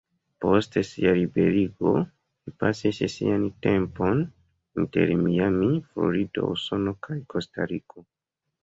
Post sia liberigo, li pasis sian tempon inter Miami, Florido, Usono kaj Kostariko.